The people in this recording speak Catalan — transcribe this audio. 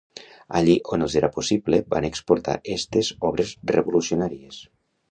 Allí on els era possible van exposar estes obres revolucionàries.